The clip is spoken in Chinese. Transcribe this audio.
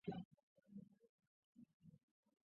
目前正受采金业和非法伐木的威胁。